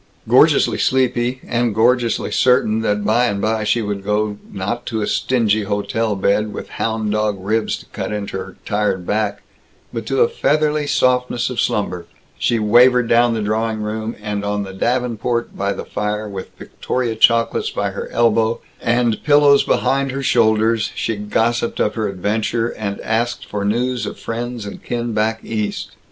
Gorgeously sleepy and gorgeously certain that by and by she would go, not to a stingy hotel bed, with hound dog ribs to cut into her tired back, but to a feathery softness of slumber she wavered down to the drawing room, and on the davenport, by the fire, with Victoria chocolates by her elbow, and pillows behind her shoulders, she gossiped of her adventure, and asked for news of friends and kin back East.